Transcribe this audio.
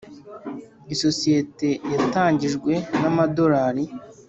isosiyete yatangijwe n’amadorari